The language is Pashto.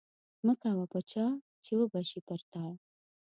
مه کوه په چا چې وبه شي پر تا